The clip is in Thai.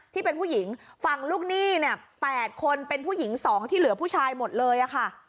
ที่เป็นผู้หญิงฝั่งลูกหนี้เนี่ย๘คนเป็นผู้หญิง๒ที่เหลือผู้ชายหมดเลยอะค่ะ